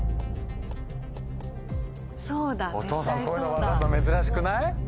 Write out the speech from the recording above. お父さんこういうの分かるの珍しくない？